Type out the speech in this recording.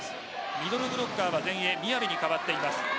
ミドルブロッカーは前衛、宮部に変わっています。